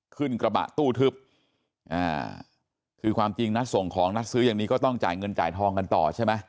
ขึ้นกระบะตู้ทึบคือความจริงนัดส่งของนัดซื้ออย่างนี้ก็ต้องจ่ายเงินจ่ายทองกันต่อใช่ไหม